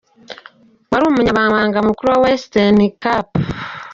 Wari umunyamabanga mukuru wa Western Cape.